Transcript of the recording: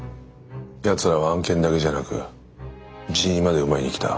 ヤツらは案件だけじゃなく人員まで奪いに来た。